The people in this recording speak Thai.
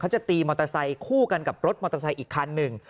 จะตีมอเตอร์ไซคู่กันกับรถมอเตอร์ไซค์อีกคันหนึ่ง